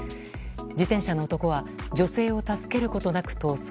自転車の男は女性を助けることなく逃走。